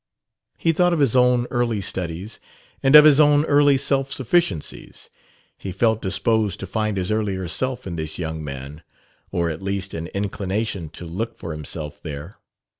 He thought of his own early studies and of his own early self sufficiencies. He felt disposed to find his earlier self in this young man or at least an inclination to look for himself there.